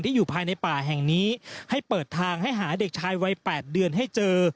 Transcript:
อยู่ภายในป่าแห่งนี้ให้เปิดทางให้หาเด็กชายวัย๘เดือนให้เจอ